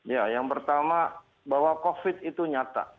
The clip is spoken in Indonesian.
ya yang pertama bahwa covid itu nyata